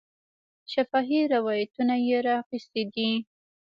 شفاهي روایتونه یې را اخیستي دي.